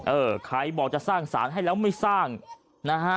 เออใครบอกจะสร้างสารให้แล้วไม่สร้างนะฮะ